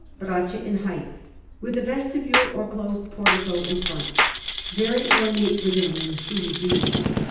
braccia in height, with a vestibule or closed portico in front, very ornate within and truly beautiful.